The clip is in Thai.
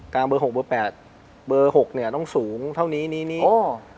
กลางเบอร์หกเบอร์แปดเบอร์หกเนี่ยต้องสูงเท่านี้นี้นี้โอ้